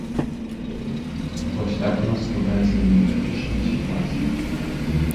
Вось так у нас складаецца дэмаграфічная сітуацыя.